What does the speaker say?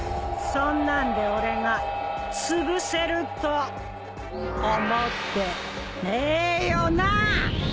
そんなんで俺がつぶせると思ってねえよな。